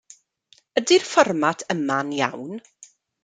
Ydy'r fformat yma'n iawn?